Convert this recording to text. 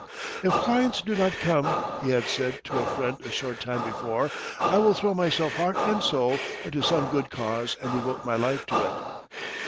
"If clients do not come," he had said to a friend a short time before, "I will throw myself heart and soul into some good cause and devote my life to it."